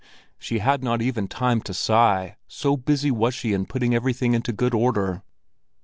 She had not even time to sigh, so busy was she in putting everything into good order.